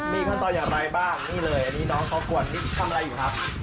มีขั้นตอนอย่างไรบ้างนี่เลยอันนี้น้องเขากวดนี่ทำอะไรอยู่ครับ